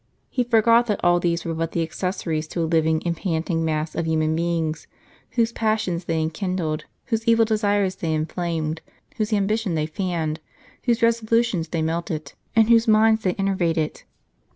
He forgot that all these were but the accessories to a living and panting mass of human beings, whose passions they enkindled, whose evil desires they inflamed, whose ambition they fanned, whose resolutions art they melted, and whose minds they enervated.